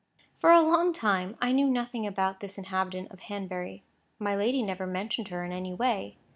For a long time, I knew nothing about this new inhabitant of Hanbury. My lady never mentioned her in any way.